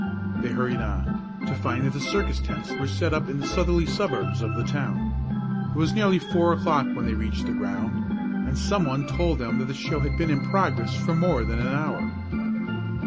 They hurried on, to find that the circus tents were set up in the southerly suburbs of the town. It was nearly four o'clock when they reached the ground, and some one told them that the show had been in progress for more than an hour.